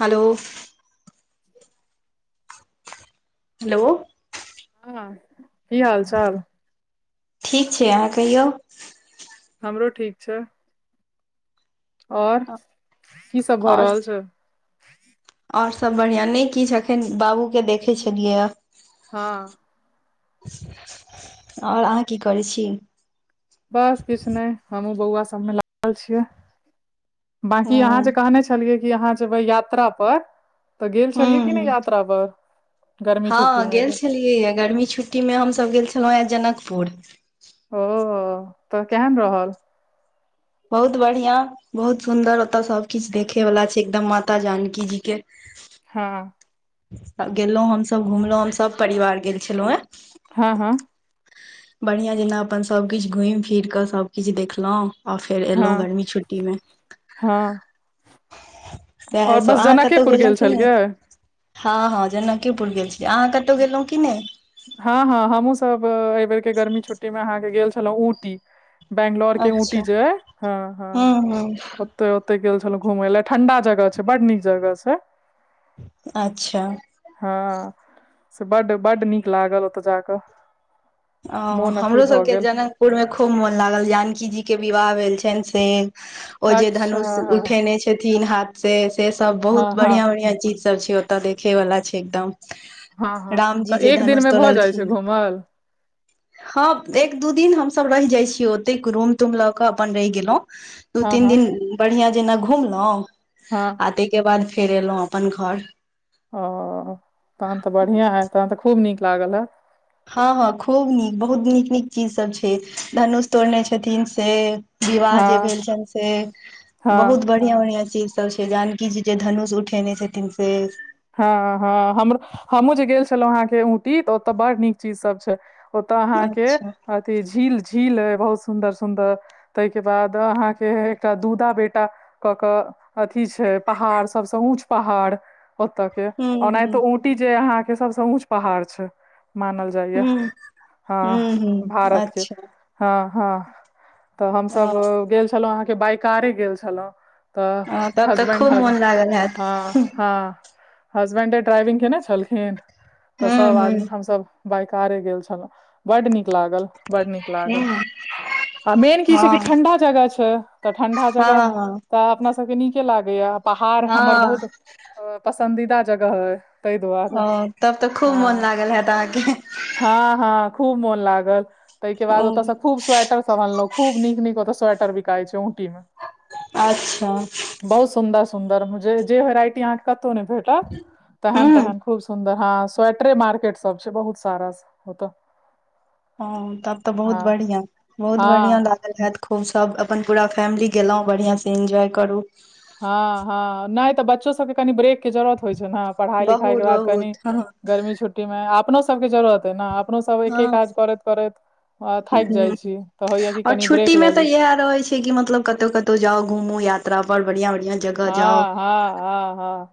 Hello hello हँ, की हाल चाल? ठीक छै, अहाँ कहियौ? हमरो ठीक छै। और, की सभ भऽ आओर रहल छै? आओर सभ बढिया। नहि किछ एखन बाबू के देखै छलियै। हँ आओर अहाँ की करै छी? बस किछु नहि हमहुँ बौआ सभ लागल छियै ओ बंकी अहाँं हूँ जे कहने छी? छलियै कि, अहाँ जेबै यात्रा पर? तऽ गेल छलियै कि नहि हूँ यात्रा पर, गर्मी छुट्टीमे? कऽ, गर्मी छुट्टीमे हमहुँ गेल छलहुँ हे, जनकपुर। ओ तऽ केहन रहल? बहुत बढ़िआँ? बहुत सुन्दर, ओतऽ सभ किछु देखेवला छै, एकदम माता जानकीजीके। हँ त गेलउ हमसब घुमलहुं हम सब परिवार गेल छलउ हे हँ हँ बढ़िया जेना अपन सब किछ घुमि फिर कऽ सब किछ देखलउ आ फेर हँ एलउ गर्मी छुट्टी मे हँ और सएहसभ बस अहाँ कतहु जनकेपुर गेलउ गेल कि ने छलियै हँ हँ जनकेपुर गेल छी अहाँ कतउ गेलउ की नै हँ हँ हमहूँसभ एहि बेेरके गर्मी छुट्टीमे अहाँके गेल छलउ ऊंटी बंगलोर के ऊटी अच्छा जे अय हँ हँ हूँ हूँ ओ ते ओते गेल छलउ घूमेय ले ठंडा जगह छै बड नीक जगह छै अच्छा हँ से बड्ड बड्ड नीक लागल ओतय जा कऽ आउ हमरो सबके जन पुर मे खूब मोन लागल जानकी जी के विवाह भेल छनि से ओ जे अच्छा धनुष उठेने छथिन हाथ से से सब हँ बहुत हँ बढ़िया बढ़िया चीज सब छै ओतऽ देखे वला छै एकदम हँ हँ राम जी तऽ जे एक दिन धनुष मे भऽ जाइ छै तोड़लखिन घूमल हँ एक दू दिन हमसभ रहि जाइ छीयै ओते रूम तूम लऽ कऽ अपन रहि गेलउ दू हँ तीन हँ दिन बढ़िआं जेना घुमलउ हँ आ तइके बाद फेर एलउ अपन घर ओ तहन तऽ बढ़िया है तहन तऽ खूब नीक लागल ऐ हँ हँ खूब नीक बहुत नीक नीक चीजसभ छै धनुष तोड़ने छथिन से विवाह हँ जे भेल छनि से हँ बहुत बड़ बढ़िया बढ़ियां चीज सब छै जानकीजी जे धनुष उठेने छथिन से हँ हँ हम हमूँ जे गेल छलहुँ अहाँके ऊंटी तऽ ओतय बड़ नीक चीज सब छै ओतय अहाँके अच्छा अथी झील झील अय बहुत सुंन्दर सुंदर तइके बाद अहाँके एकटा दूटा बेटा कऽ कऽ अथि छै पहाड़ सभसँ ऊँच पहाड़ ओतके हूं औनाहितो हूं ऊंटी जे अहा के सबस ऊंच पहाड़ छै मानल जाइया हूं आ हूं हूं भारत के अच्छा हँ हँ तऽ हमसभ हँ गेल छलउ अहाँके बाइ कारे गेल छलउ हँ तऽ तब हजबैंड खूब हग मोन लागल हैत हँ हँ हसबेंडे ड्राइविंग केने छलखिन तऽ हूं सब हूं आदमी हूं हमसभ बाइ कारे गेल छलउ बड नीक लागल बड नीक लागल हँ आ मेन की छै कि ठंडा जगह छै तऽ ठंडा हँ हँ जगह हँ तऽ अपना सबके नीके लागेया पहाड़ हमर बहुत पसन्दीदा जगह अय ओ तब तऽ खूब मोन लागल हैत अहाँके हँ हँ खूब मोन लागल तैइके बाद ओ ओतय से खूब स्वेटर सब अनलौं खूब नीक नीक ओत स्वेटर बिकाइ छै ऊंटी अच्छा बहुत सुंदर सुंदर जेजे वेराइटी अहाँके कतौ नै भेटत तेहन हूं तेहन खूब सुन्दर हँ स्वेटरे मार्केट सब छै बहुत सारा ओतऽ ह तब तऽ हँ बहुत बढ़िया बहुत बढ़िया हँ ला [unintelligible] जैत खूब सब अपन पूरा फैमिली गेलउ बढ़िया से इन्जॉय करू हँ हँ नहि तऽ बच्चो सबके कनि ब्रेकके जरूरत होइ छै ने पढ़ाइ लिखाइके बहुत बाद कनि बहुत हँ गर्मी छुट्टी मे अपनो सबके जरूरत अय ने अपनो सब एके हँ काज करैत करैत अ थाइक जाइ हूँ छी तऽ होइया कि और कनि ब्रेक छुट्टी मे लऽ तऽ ली इएह रहै छै कि मतलब कतौ कतौ जाउ घूमू यात्रा पर बढ़िया बढ़िया जगह जाउ हँ हँ हँ हँ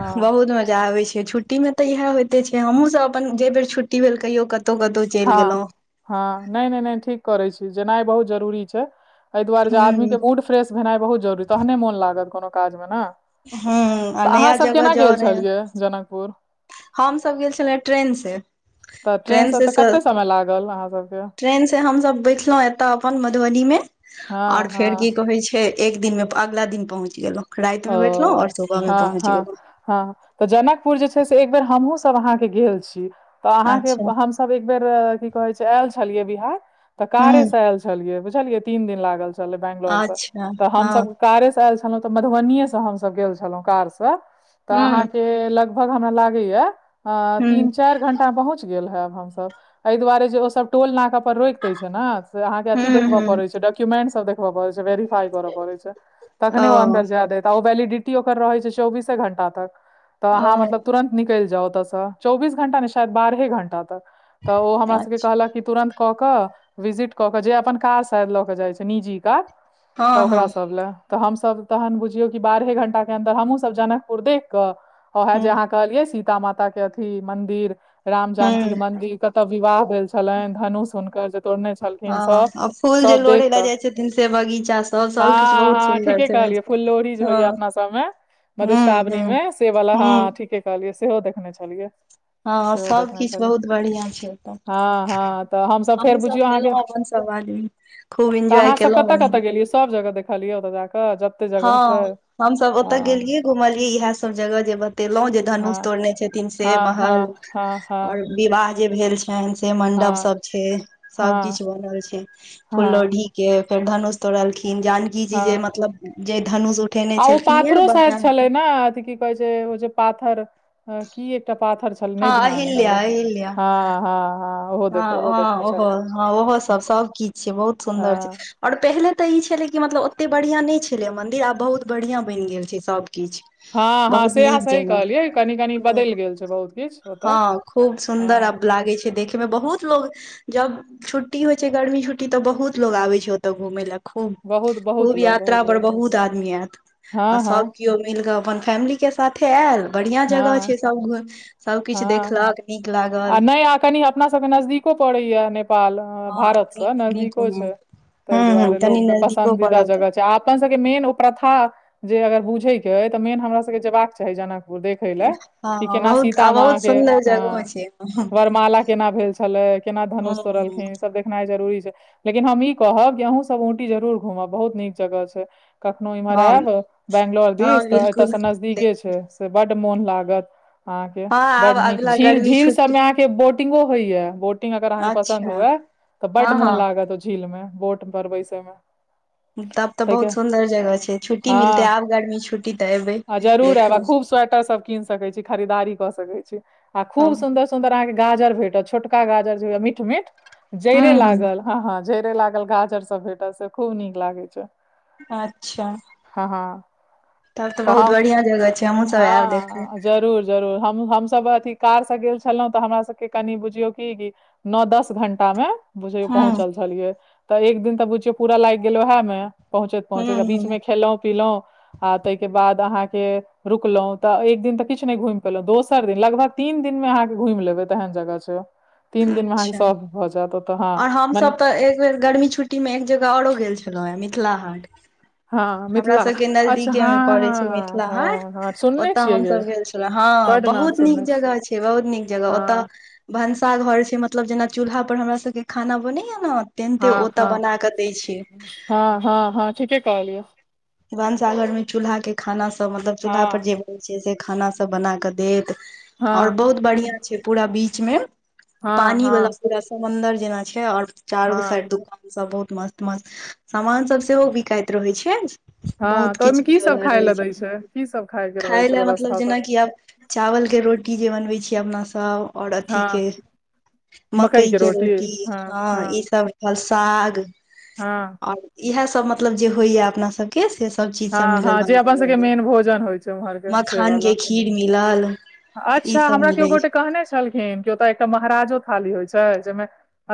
हँ बहुत मजा आबे छै छु ट्टी मे तऽ इहे होइते छै हमहुँ सब अपन जे बेर छुट्टी भेल कहियो कतहु कतहु हँ हँ नइ नइ नइ ठीक करै छी जेनाइ बहुत जरूरी छै एहि दुआरे जे आदमी हूँ के मूड फ्रेश भेनाइ बहुत जरुरी तहने मोन लागत कोनो काज मे ने हूँ आ तऽ अहाँ नया सब जगह केना गेल छलियै जनकपुर हमसब गेल छले ट्रेन से तऽ ट्रेन से कते समय लागल अहाँ सबके ट्रेन से हमस बैठलहुं एतए अपन मधुबनी मे हँ और हँ फेर की कहै छै एक दिनमे अगिला दिन पहुँच गेलहुँ ओ राइतमे बैठलहुँ और सुबहमे हँ पहुँच हँ गेलहुँ ' हँ त जनकपुर जे छै से एक बेर हमहुँ सब अहाँके गेल छी तऽ अहाँके अच्छा हम सब एक बेर की कहै छै आयल छलिये बिहार तऽ कारे हूं से आयल छलिये बुझलिये तीन दिन लागल। [unintelligible] चैल बैंगलोरसँ अच्छा तऽ हमस हँ कारे सँ ऐल छलौं त मधुबनीये सँ हम सब गेल छलौं कार से हूं ल हूं [unintelligible] पहुँच गेल हेब हमसब एहि दुआरे जे ओ सब टोल नाका पर रोइक दै छै ने अहाँ के अथि हूं देखब हूं परै छै डॉक्यूमेंट सब देखब परै छै वेरीफाई करऽ पड़े छै तखने ओ ओ वैलिडिटी ओकर रहै छै चौबीसे घंटा तक तऽ ओ अहाँ मतलब तुरन्त। निकैल जाउ ओतऽसँ चौबीस घंटा ने शायद बारहे घंटा तक तऽ ओ हमरा सबके अच्छा कहलक कि तुरन्त। कऽ क विजिट कऽ के जे अपन कार शायद लऽ के जाइ छै निजी कार। तऽ हँ हँ ओकरा सब लए तऽ हम सब तहन बुझियौ की बारहे घंटा के अंदर हमहूँ सब जनक पुर देख क ओहै हूं जे अहाँ के कहलियै सीता माता के अथी मंदिर रामजानकीके हूं मंदिर कत विवाह भेल छलैन धनुष हुनकर जे तोड़ने छलखिन हँ स आ फूल जे सब लोढ़ै देख लए क जाइ छथिन से बगीचा सब ह सब किछ बहुत ह सुन्दर ठीके छै कहली। फुल्लोरी जे हँ होइया अपना सब में हूं मधुश्रावणी हूं में से बला हूं हँ ठीके कहलियै सेहो देखने छलियै। हँ सेहो सब देखने किछ छलियै बहुत बढ़ियां छै ओतऽ हँ हँ तऽ हमसब फेर हमहुँ सब बुझियौ अहाँके गेलौं अपन सब आदमी खूब तऽ एन्जॉय अहाँ सब केलौं कतऽ बढ़ियां कत गेलियै सब जगह देखलियै ओत जा क? जगह छैय। हमसब ओतय गेलियै घुमलियै इएह सब जगह जे बतेलहुँ जे धनुष हँ तोड़ने छथिन से हँ महल हँ हँ हँ और विवाह जे भेल छैन से मंडप हँ सब छैय सब हँ किछ बनल छैय फुल हँ लोढ़ी के फेर धनुष तोड़लखिन जानकी जी जे हँ मतलब जे धनुष उठेने आ ओ छलखिन ये पाथरो शायद बायां हाथे छलै ने अथी की कहे छैय ओ जे पाथर की एकटा पाथर छल नहि हँ ध्यान ह अहिल्या हमरा अहिल्या हँ हँ हँ ओहो हँ देख ओहो हँ देखने ओहो छलियै हँ ओहो सब सब किछ छैय बहुत सुन्दर हँ छैय। और पहिले तऽ ई छलै कि मतलब ओतेक बढ़िआँ नहि छलै मन्दिर आब बहुत बढ़िआँ बैन गेल छैय सभ किछ। हँ हँ बहुत से अहाँ नीक सही जेना कहलियै कनि कनि बदैल गेल छैय बहुत किछ। हँ खूब सुन्दर अब लागै छैय। देखे मे बहुत लोग जब छुट्टी होइ छैय गर्मी छुट्टी तब बहुत लोग आबै छैय ओत घुम लए। खूब बहुत बहुत खूब लोग बहुत यात्रा पर लोग बहुत आदमी आयत आ हँ सब हँ केओ मिलके अपन फैमिली के साथे आयल बढ़िया जगह छैय हँ सब घुम सबकिछु देखलक नीक लागल। [unintelligible] कनी [unintelligible] अपना सबके नजदीको परैया नेपाल। हँ कनि भारतसे नजदीको मे छैय ताहि हूं हूं दुआरे कनि लोकके नजदीको पसन्दीदा पड़ल तऽ जगह छैय आप अपन सबके मेन ओ प्रथा जे अगर बुझे के अय तऽ मेन हमरा सबके जेयबाक चाही जनक देखेला कि हँ केना बहुत आ सीता मा बहुत के सुन्दर जगहो ह छै वरमाला केना भेल छे छलै केना हूं धनुष हूं तोड़लखिन ई सब देखनाइ जरूरी छैय। लेकिन हम ई कहब जे अहूँ सब औंटी जरूर घूमब बहुत नीक जगह छैय। कखनो एम्हर हँ आयब बेंगलोर हँ दिस तऽ बिलकुल एतयसे नजदीके देख छैय। त बड्ड मोन लागतअहाँके हँ आब बड्ड निक अगला झील गर्मी झील छुट्टी सबमें अहाँके के बटिंगो होइया बोटिंग अगर अहाँके पसन्द अच्छा हुए तऽ बड हँ मोन हँ लागत झीलमे बोट पर बैसेमे। तब तऽ बहुत सुन्दर जगह छै छुट्टी मिलतै हँ आब गर्मी छुट्टी तऽ एबै आ जरूर आयब आ देखू खूब स्वेटर सब कीन सके छी खरीदारी क सकै छी आ खूब हूँ सुन्दर सुंन्दर अहाँ के गाजर भेटत छोटका गाजर जे मीट मीट जइड़े हूँ लागल हँ हँ झरे लागल गाजर सब भेटल से खूब नीक लागे छै अच्छा हँ हँ तब त तऽ बहुत हम बढ़िया जह छै हमहुँ सब आयब देखे हँ जरूर जरूर हम हमसभ अथि कार से गेल छलहुँ तऽ हमरा सबके कनि बुझियौ की नओ दस घंटा मे बुझियौ हूँ पहुँचल छलियै तऽ एक दिन तऽ बुझियौ पूरा लागि गेल उएह मे पहुँचैत पहुँचैत हूँ आ बीच हूँ मे खेलहुँ पीलहुँ आ तइके बाद अहाँके रुकलहुं तऽ एक दिन तऽ किछु नहि घुमि पेलहुँ दोसर दिन लगभग तीन दिन मे अहाँके घूम लेबै त एहन जगह छै तीन दिनमे अहाँके अच्छा सभ भऽ जायत ओतऽ हँ और हमस मने तऽ एक बेर गर्मी छुट्टी में एक जगह औरो गेल छ मिथिला हाट हँ हमरा मिथिला सबके अच्छा नजदीके मे हँ पड़े छै हँ मिथिला हाट हँ हँ सुनने ओत छियै ये हमस गेल छी हँ बड नाम बहुत नीक सुनने छी जगह छै बहुत नीक जगह ओतऽ हँ भनसा घर छै मतलब जेना चूल्हा पर हमरा सबके खाना बनैया ने तेन्ते हँ ओतऽ हँ बना कऽ दै छै हँ हँ हँ ठीके कहलियौ वानंसागर मे चूल्हा के खाना सब मतलब चूल्हा पर हँ जे जे छै से खाना सभ बना कऽ देत और हँ बहुत बढ़िया छै पूरा बीच मे हँ पानी वाला हँ पूरा समनदर जेना छै और चारू साइ हँ दुकान सब बहुत मस्त मस्त सामान सब सेहो बिकाइत रहै छै हँ बहुत तऽ किच ओहिमे की ले सब वला खाय रहै लए छै दै की सब खाय के रहै खााय छै ल मतलब व्यवस्था तऽ जेनाकि आब चावलके रोटी जे बनबैत छी अपनासब ओर अथीक के हँ मकई के रोटी हँ ई सब साग हँ और इएह सब मतलब जे होइया अपना सबके से सब चीज सब हँ मिलल हँ जे अपन भनसाघर सभके मे मेन भोजन होइ छै उम्हरके मखान के सेवाला खीर मिलल ई अच्छा सब हमरा केओ मिलै छै गोटे कहने छलखिन कि ओतय एकटा महाराजो थाली होइत छै जहिमे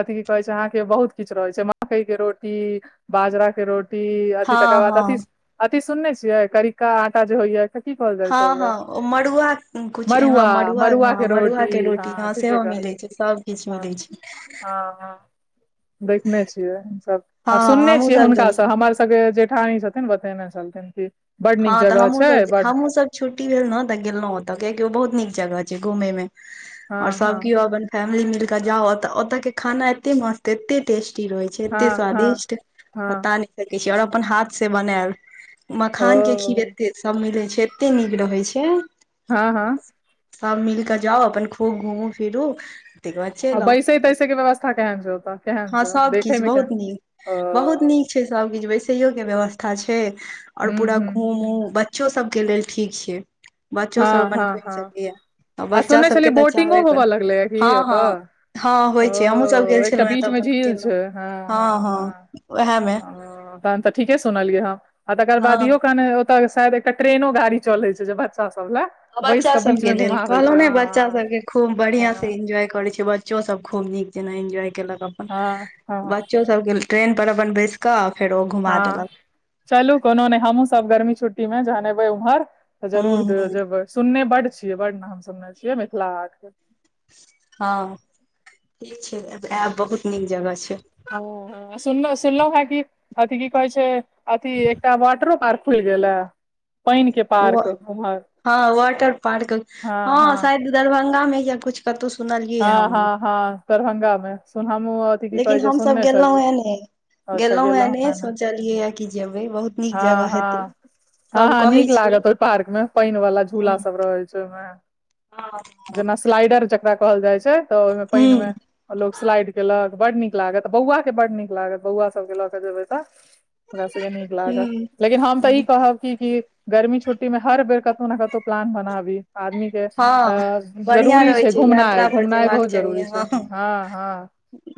अथि की कहे छै अहाँ के बहुत किछ रहे छै मकई के रोटी बाजरा के रोटी इ अथि तकर हँ बाद अथी हँ अथी सुनने छियै करिका आटा जे होइय हँ हँ ओ मड़ुआ किछ मड़ुआ के हँ रोटी मड़ुआके रोटी हँ ह ठीके सेहो मिलैत छै सबकिछ मिलै छै ह देखने छियै सब आ हँ सुनने हमहुँ छियै हुनका गेल छी सब हमर सबके जेठानी छथिन बतेने छलथिन क बड हँ नीक तऽ जगह हमहुँ छै सब बड हमहुँ सब छुट्टी भेल ने तऽ गेलहुं ओतऽ कियकि ओ बहुत नीक जगह छै घूमे मे और हँ सब हँ केओ अपन फैमिली मिल के जाउ ओतता के खाना एते मस्त एते टेस्टी रहे एते हँ हँ स्वादिष्ट हँ बता नहि सकै छी आओर अपन हाथ से बनायल ओ खान के खीर एते सब मिले छै एते नीक रहै छै हँ हँ सभ मिल कऽ जाउ अपन खूब घूमू फिरू त बाद आ चलि आउ बैसै तैसै के व्यवस्था केहन छै ओतऽ केहन हँ छै देखै सबकिछ मे बहुत केहन नीक ओ बहुत नीक सब किछु बैसेयो के व्यवस्था छै और हूँ पूरा हूँ घूम उच बच्चो सबके लेल ठीक छै बच्चो सब हँ अपन हँ घुम हँ सकैया आ बच्चा सुनने सबके छलियै तऽ बोटिंगो चाहबे कर होबऽ लगलैए की हँ हँ ओतऽ हँ ओ होइ छै हमहुँ सब गेल एकटा छलहुँ हेँ तऽ बीच मे अपन झील केलहु छै हँ हँ उएहमे हँ तहन तऽ ठीके सुनलियै ह आ तकर हँ बाद इो कने ओतऽ शायद एकटा ट्रेनो गाड़ी चलइ छै जे बचा त सबल बच्चा सब के लेल कहलहु ने बच्चा सब के खूब बढ़ियां से हँ इन्जॉय करे छै ब चो सब खूब नीक जेना इन्जॉय केलक अपन हँ हँ बच्चो सब के ट्रेन पर अपन बैस कऽ फेर ओ घुमा हँ देलक चलू कोनो नहि हमहुँ सब गर्मी छुट्टी में जहन एबै उम्हर तऽ हूँ जरूर हूँ जेबै सुनने बड छियै बड नाम सुनने छियै मिथिला हाट हँ ठीक छै आयब बहुत नीक जगह छै ह सुनल सुनलहु हैं की अथि की कहै छै अथि एकटा वाटरो पार्क फुल गेल पइन के पार्क उम्हर हँ वाटर पार्क हँ शायद दरभंगा मे या कछ कतहु सुनलियै हँ हमँ हँ हँ दरभंगा मे सुनना लेकिन हमसभ गेलहुं हे ने अच्छा गेलहुँ हे नहि हन सोचलियै हए कि जेबै बहुत नीक हँ जगह हेतै हँ सब हँ कहै नीक छै लागत ओहि पार्क में पइन वाला झूला सब रहै छै ओहिमे जेना ह स्लाइडर जकरा कहल जाइ छै तऽ ओहिमे पाइन मे हूँ आ लोक स्लाइड केलक बड नीक लागत बौआके बड्ड नीक लागत बौआ सभके लऽ कऽ जेबै तऽ ओकरा सबके नीक लागत हूँ लेकिन हम तऽ ई कहब क कि गर्मी छुट्टी में हर बेर कतौ ने कतहु प्लान बनाबी आदमी के अ हँ बढ़िआँ जरूरी रहै छै घुमनाइ यात्रा पर घूमनाइ जेबाक बहुत चाही जरूरी छै हँ हँ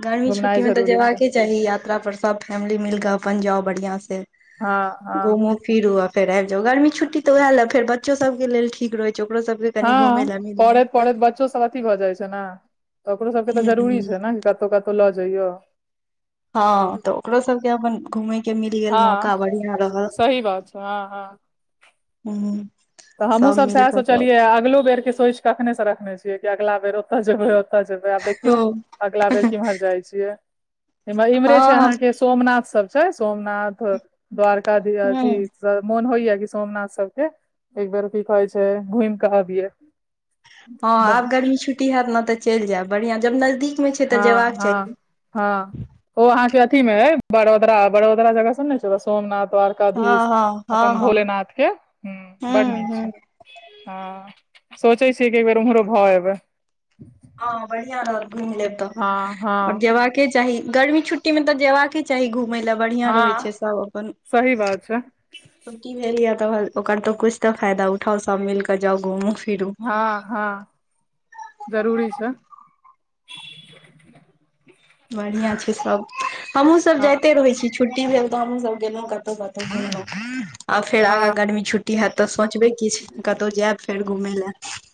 गर्मी छुट्टी घुमनाइ मे तऽ जरूरी छै जेबाके चाही यात्रा पर सब फैमिली मिल क अपन जाउ बढ़िया से हँ हँ घूम फिर ओ फेर आबि जाउ गर्मी छुट्टी तऽएह ल फेर बच्चो सब केके लेल ठीक रहै छै ओकरो सबके कनि घुमय हँ लए मिल गेल पढ़ेत पढ़ैत बच्चो सबथ भऽ जाइ छै ने ओकरो सभके तऽ हूं जरूरी हूं छै ने कि कतहु कतहु लऽ जइयौ हँ तऽ ओकरो सब के अपन घूमे के मिल गेल हँ मौका बढ़िया रहल सही बात छै हँ हँ हू तऽ हमहूँसब सएह सोचलियै आ अगिलो बेरके सोचि कखनेसँ रखने छियै कि अगिला बेर ओतय जेबै जेब आब देखियौ अगलाा बेर केम्हर जाय छियैह इम्हरे हँ हँ अहाँ सोमनाथ सब छै सोमनाथ द्वारकाधी अथी हूं मोन होइया कि सोमनाथ सबके एकबेर की कहै छै घूम केऽ अबिये हँ आब गर्मी छुट्टी हैतत ने तऽ चल जायब बढ़ियां जब नजदीक मे छै तऽ हँ जेबाक हँ चाही हँ ओ अहाँ के अथी में है बड़ोदरा बड़ोदरा जगह सब ने छै सोमनाथ व हँ एकाधीश हँ हँ अपन हँ भोलेनाथ के हूं हूं बड़ नीक हूं छै हँ सोचे छियै एक बेेर उम्हरो भ एबै हँ बढ़िया रहत घूमि लेब तऽ हँ हँ और जेबाके चाही गर्मी छुट्टी में तऽ जेयबाक चाही घुमै लए बढ़िआं रहै हँ छै सब अपन सही बात छै छुट्टी भेल य त ओकर तो कुछ ते फायदा उठाउ सब मिल कऽ जाउ घुमू फिरु हँ हँ जरूरी छै बढ़िया छै सब हमहुँ सब हँ जाइते रहै छी छुट्टी भेल तऽ हमहुं सब गेलों कतौ कतौ घुमलो आ फेर हँ आगा गर्मी छुट होयत तऽ सोंचबै किछु कतौ जायब फेर घुमय लए